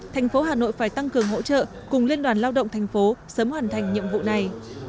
thành phố hà nội phải tăng cường hỗ trợ cùng liên đoàn lao động thành phố sớm hoàn thành nhiệm vụ này